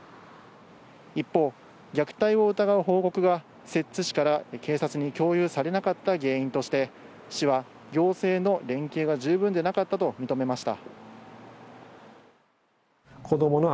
一方、虐待を疑う報告が摂津市から警察に共有されなかった原因として市は行政の連携が十分でなかったと認めました。